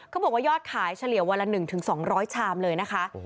บอกว่ายอดขายเฉลี่ยวันละ๑๒๐๐ชามเลยนะคะ